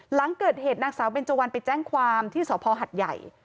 หลังเกิดเหตุนางสาวเบนเจวันไปแจ้งความที่สพหัดใหญ่